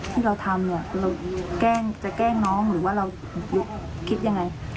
ที่เราทำเนี่ยเราจะแกล้งน้องหรือว่าเราคิดยังไง